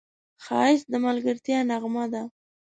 ښایست د ملګرتیا نغمه ده